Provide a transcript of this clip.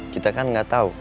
kita kan nggak tau